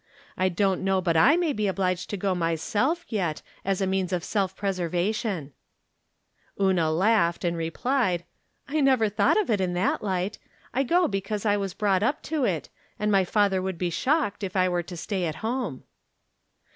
I don't know but I may be obliged to go myself, yet, as a means of self preservation." I'rom Different Standpoints. 97 Una laughed, and replied :" I neyer thought of it in that light. I go be cause I was brought up to it, and my father would be shocked if I were to stay 'at home."